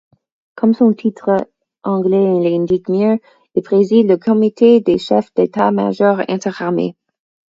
Comme son titre anglais l’indique mieux, il préside le Comité des chefs d’état-major interarmées.